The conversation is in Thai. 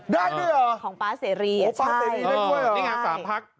ได้เลยเหรอของป๊าเสรีป๊าเสรีได้ด้วยเหรอ